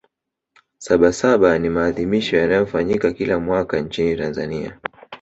sabasaba ni maadhimisho yanayofanyika kila mwaka nchini tanzania